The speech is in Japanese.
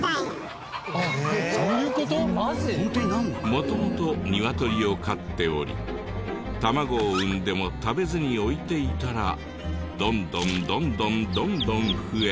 元々ニワトリを飼っており卵を産んでも食べずに置いていたらどんどんどんどんどんどん増え。